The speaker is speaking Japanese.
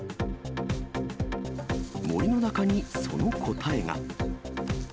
森の中にその答えが。